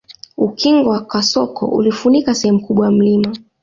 Ukingo wa kasoko ulifunika sehemu kubwa ya mlima